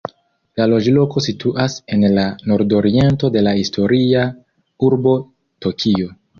La loĝloko situas en la nordoriento de la historia urbo Tokio.